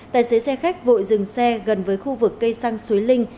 tài xế xe khách vội dừng xe gần với khu vực cây xăng suối linh